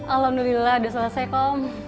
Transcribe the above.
alhamdulillah udah selesai kom